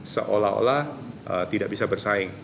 seolah olah tidak bisa bersaing